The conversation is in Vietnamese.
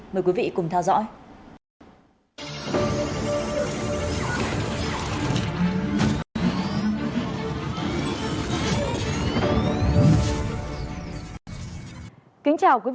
mời quý vị cùng theo dõi